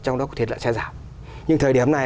trong đó có thịt lợn xe rào nhưng thời điểm này